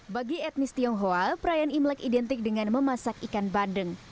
bagi etnis tionghoa perayaan imlek identik dengan memasak ikan bandeng